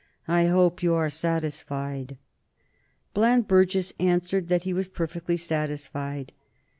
I hope you are satisfied." Bland Burges answered that he was perfectly satisfied.